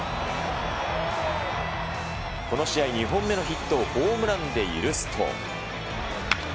この試合、２本目のヒットをホームランで許すと。